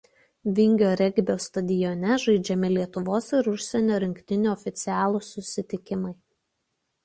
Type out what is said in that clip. Vingio regbio stadione žaidžiami Lietuvos ir užsienio rinktinių oficialūs susitikimai.